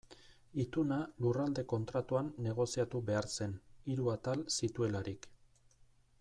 Ituna Lurralde Kontratuan negoziatu behar zen, hiru atal zituelarik.